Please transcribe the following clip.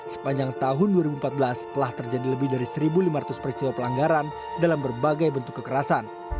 sepanjang tahun dua ribu empat belas telah terjadi lebih dari satu lima ratus peristiwa pelanggaran dalam berbagai bentuk kekerasan